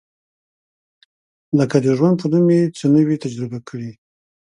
لکه د ژوند په نوم یې څه نه وي تجربه کړي.